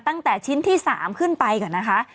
ตั้งแต่ชิ้นที่๓ขึ้นไปก่อนนะคะ